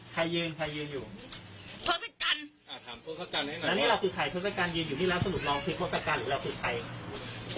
แล้วนี่เราคือใครโทสกันยืนอยู่นี่แล้วสรุปลองคือโทสกันหรือเราคือใคร